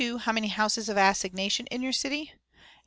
How many houses of assignation in your city?